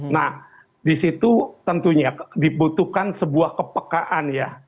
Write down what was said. nah disitu tentunya dibutuhkan sebuah kepekaan ya